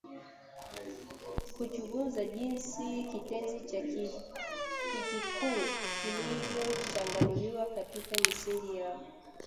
Kuchunguza jinsi kitenzi cha Kitikuu kinavyochanganuliwa katika misingi yao